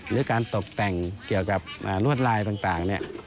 หรือการตกแต่งเกี่ยวกับลวดลายต่างเนี่ย